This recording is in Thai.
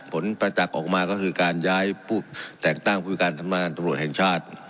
ผลประจักษ์ออกมาก็คือการย้ายผู้แตกตั้งภูมิการสำนาคันตรวจแห่งชาติ